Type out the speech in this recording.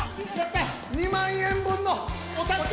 ２万円分の◆お助け